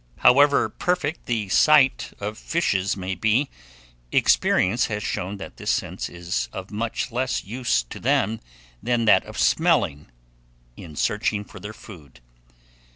However perfect the sight of fishes may be, experience has shown that this sense is of much less use to them than that of smelling, in searching for their food.